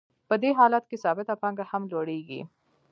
په دې حالت کې ثابته پانګه هم لوړېږي